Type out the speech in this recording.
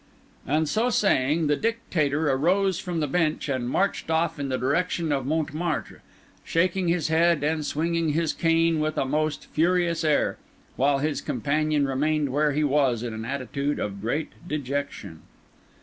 And so saying, the Dictator arose from the bench, and marched off in the direction of Montmartre, shaking his head and swinging his cane with a most furious air; while his companion remained where he was, in an attitude of great dejection.